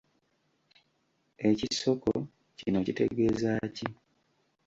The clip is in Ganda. Ekisoko kino kitegeeza ki?